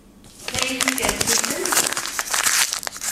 La yi-teskerkisemt?